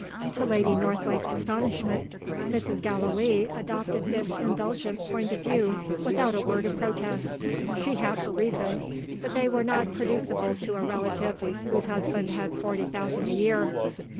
To Lady Northlake's astonishment, Mrs. Gallilee adopted this indulgent point of view, without a word of protest. She had her reasons but they were not producible to a relative whose husband had forty thousand a year.